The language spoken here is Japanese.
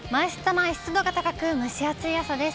前、湿度が高く蒸し暑い朝です。